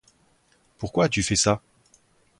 Pourquoi as-tu fait ça?